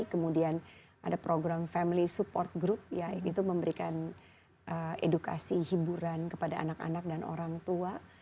kemudian ada program family support group ya itu memberikan edukasi hiburan kepada anak anak dan orang tua